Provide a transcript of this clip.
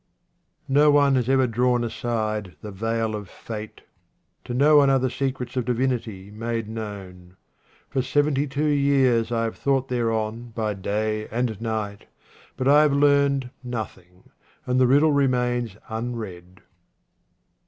No one has ever drawn aside the veil of fate. To no one are the secrets of divinity made known. For seventy two years I have thought thereon by day and night, but I have learned nothing, and the riddle remains unread.